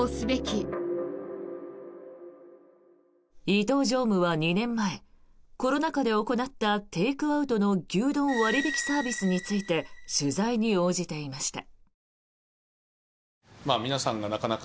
伊東常務は２年前コロナ禍で行ったテイクアウトの牛丼割引サービスについて取材に応じていました。